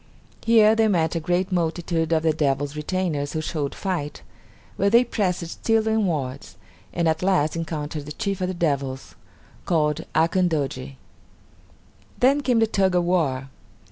Here they met a great multitude of the devils' retainers who showed fight, but they pressed still inwards, and at last encountered the chief of the devils, called Akandoji. Then came the tug of war.